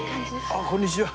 あっこんにちは。